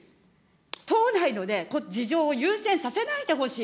党内の事情を優先させないでほしい。